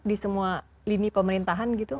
di semua lini pemerintahan gitu